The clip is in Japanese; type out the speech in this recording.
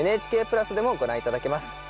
ＮＨＫプラスでもご覧頂けます。